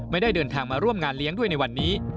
ไม่ได้เดินทางมาร่วมงานเลี้ยงด้วยในวันนี้